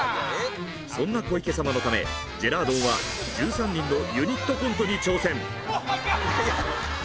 そんな小池様のためジェラードンは１３人のユニットコントに挑戦。